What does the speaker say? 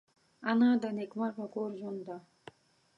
انا د نیکمرغه کور ژوند ده